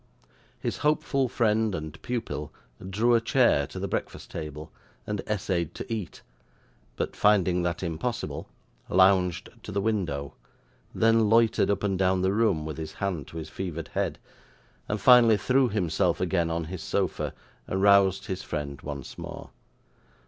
His hopeful friend and pupil drew a chair to the breakfast table, and essayed to eat; but, finding that impossible, lounged to the window, then loitered up and down the room with his hand to his fevered head, and finally threw himself again on his sofa, and roused his friend once more.